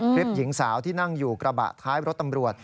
คลิปหญิงสาวที่นั่งอยู่กระบะท้ายรถตำรวจ